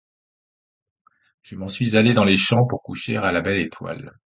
Je m’en suis allé dans les champs pour coucher à la belle étoile.